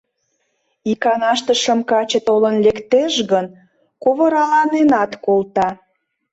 Иканаште шым каче толын лектеш гын, ковыраланенат колта.